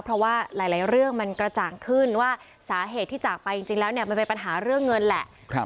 เพราะว่าหลายเรื่องมันกระจ่างขึ้นว่าสาเหตุที่จากไปจริงแล้วเนี่ยมันเป็นปัญหาเรื่องเงินแหละ